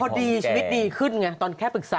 พอดีชีวิตดีขึ้นไงตอนแค่ปรึกษา